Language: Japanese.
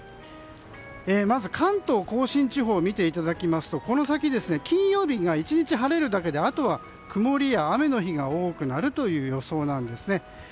まず関東・甲信地方を見ていただきますとこの先金曜日が１日晴れるだけであとは曇りや雨の日が多くなる予想なんですね。